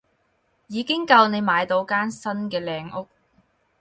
已經夠你買到間新嘅靚屋